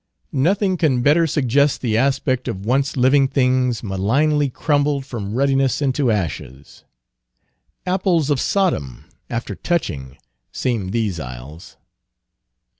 Nothing can better suggest the aspect of once living things malignly crumbled from ruddiness into ashes. Apples of Sodom, after touching, seem these isles.